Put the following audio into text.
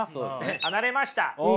離れました。